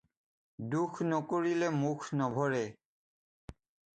দুখ নকৰিলে মুখ নভৰে।